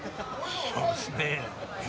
そうですね。